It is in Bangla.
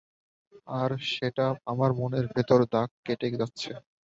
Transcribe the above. আর সেটা আমার মনের ভেতর দাগ কেটে যাচ্ছে।